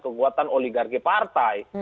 kekuatan oligarki partai